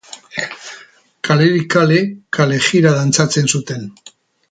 Kalerik kale kalejira dantzatzen zuten.